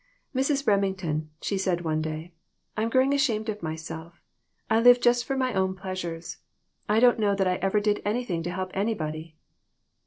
"Mrs. Remington," she said one day, "I am growing ashamed of myself. I live just for my own pleasures. I don't know that I ever did any thing to help anybody."